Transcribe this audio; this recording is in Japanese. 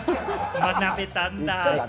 学べたんだ。